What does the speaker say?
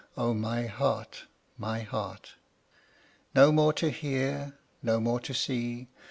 O my heart, my heart! No more to hear, no more to see!